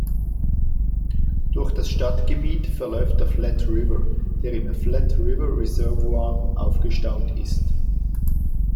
Durch das Stadtgebiet verläuft der Flat River, der im "Flat River Reservoir" aufgestaut ist.